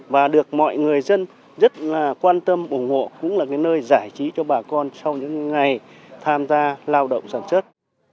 và được mọi người dân rất quan tâm ủng hộ cũng là nơi giải trí cho bà con sau những ngày tham gia lao động sản xuất